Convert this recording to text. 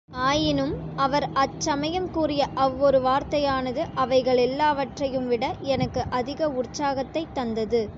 ஆயினும் அவர் அச்சமயம் கூறிய அவ்வொரு வார்த்தையானது அவைகளெல்லாவற்றையும்விட எனக்கு அதிக உற்சாகத்தைத் தந்தது.